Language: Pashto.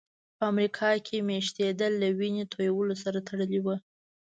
په امریکا کې مېشتېدل له وینې تویولو سره تړلي وو.